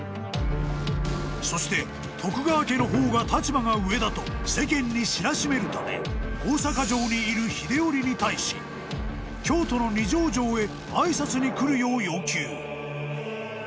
［そして徳川家の方が立場が上だと世間に知らしめるため大坂城にいる秀頼に対し京都の二条城へ挨拶に来るよう要求］